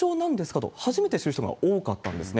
と、初めて知る人が多かったんですね。